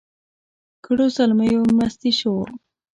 کړو زلمیو مستي شور